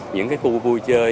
những cái khu vui chơi